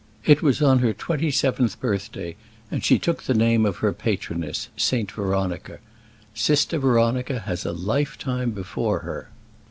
It was on her twenty seventh birthday, and she took the name of her, patroness, St. Veronica. Sister Veronica has a lifetime before her!"